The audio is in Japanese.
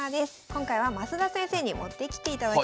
今回は増田先生に持ってきていただきました。